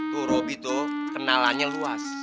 tuh robby tuh kenalannya luas